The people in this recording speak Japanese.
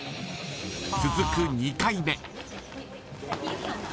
続く２回目。